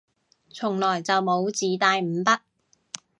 從來就冇自帶五筆